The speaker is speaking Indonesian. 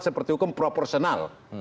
seperti hukum proporsional